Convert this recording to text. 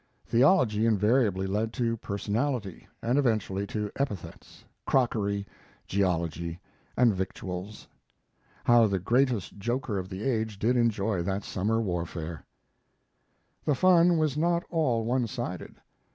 Theology invariably led to personality, and eventually to epithets, crockery, geology, and victuals. How the greatest joker of the age did enjoy that summer warfare! The fun was not all one sided.